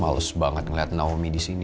males banget ngeliat naomi disini